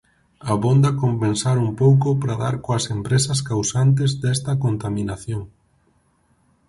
Abonda con pensar un pouco para dar coas empresas causantes desta contaminación.